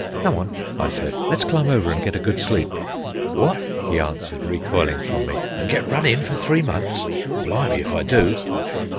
"Come on," I said. "Let's climb over and get a good sleep." "Wot?" he answered, recoiling from me. "An' get run in fer three months! Blimey if I do!"